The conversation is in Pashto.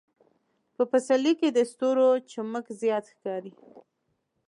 په پسرلي کې د ستورو چمک زیات ښکاري.